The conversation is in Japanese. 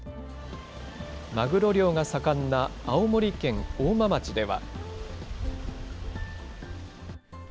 マグロ漁が盛んな青森県大間町では。